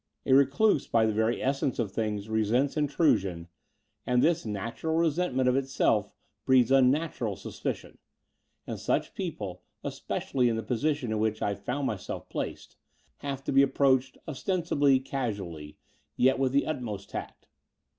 A reduse by the very essence of things resents intrusion, and thif^ natural resentment of itself breeds unnatural suspicion : and such people, especially in the posi tion in which I found myself placed, have to be approached ostensibly casually, yet with the ut most tact.